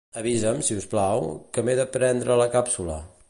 Avisa'm, si us plau, que m'he de prendre la càpsula.